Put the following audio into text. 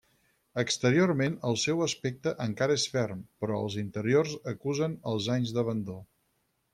Exteriorment el seu aspecte encara és ferm però els interiors acusen els anys d'abandó.